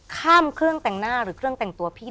เครื่องแต่งหน้าหรือเครื่องแต่งตัวพี่